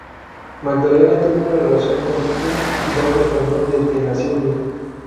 Magdalena tuvo una relación con un hidalgo español del que nació un hijo.